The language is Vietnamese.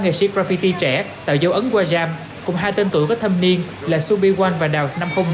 ba nghệ sĩ graffiti trẻ tạo dấu ấn qua jam cùng hai tên tưởng có thâm niên là subi one và daos năm trăm linh một